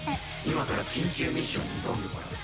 今から緊急ミッションに挑んでもらう。